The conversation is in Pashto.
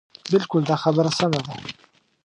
بلکل دا خبره سمه ده.